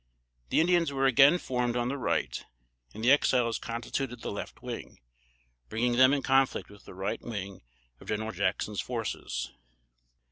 The Indians were again formed on the right, and the Exiles constituted the left wing, bringing them in conflict with the right wing of General Jackson's forces.